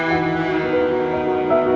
kenapa harus berhenti